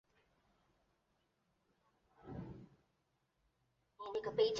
欧迈尼斯还为雅典卫城建造欧迈尼斯柱廊。